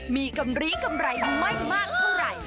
มีกำลีกำไรไม่มากเท่าไหร่